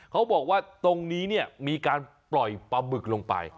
เขาบอกว่าตรงนี้เนี่ยมีการปล่อยปลาบึกลงไป